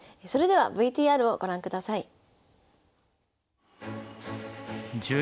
それではＶＴＲをご覧ください。